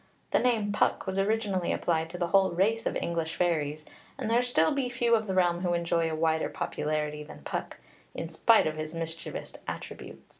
The name Puck was originally applied to the whole race of English fairies, and there still be few of the realm who enjoy a wider popularity than Puck, in spite of his mischievous attributes.